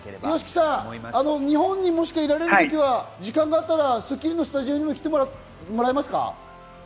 ＹＯＳＨＩＫＩさん、日本にもし帰られる時や時間があったら『スッキリ』のスタジオにも来てもらえますか？